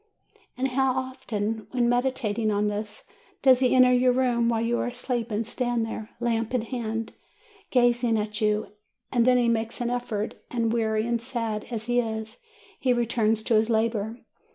And how often, when meditating on this, does he enter your room while you are asleep, and stand there, lamp in hand, gazing at you ; and then he makes an effort, and weary and sad as he is, he returns to his labor.